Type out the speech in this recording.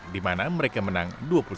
di mana mereka menang dua puluh satu enam belas